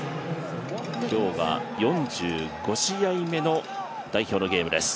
今日が４５試合目の代表のゲームです。